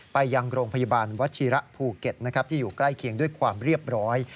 ไปยังโรงพยาบาลวัชิระภูเก็ตที่อยู่ใกล้เคียงด้วยความเรียบร้อย